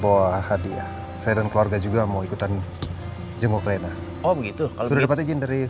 bawa hadiah saya dan keluarga juga mau ikutan jeng ukraina oh begitu sudah dapat izin dari